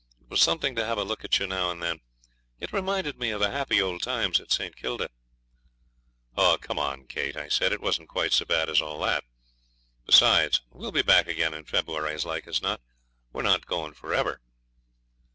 It was something to have a look at you now and then. It reminded me of the happy old times at St. Kilda.' 'Oh, come, Kate,' I said, 'it isn't quite so bad as all that. Besides, we'll be back again in February, as like as not. We're not going for ever.'